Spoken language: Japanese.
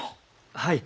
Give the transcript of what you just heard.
はい。